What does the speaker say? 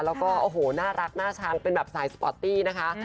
แล้วก็โอ้โหน่ารักน่าช้างเป็นแบบสายสปอร์ตตี้นะคะ